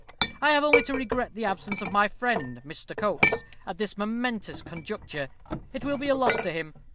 I have only to regret the absence of my friend, Mr. Coates, at this momentous conjuncture. It will be a loss to him.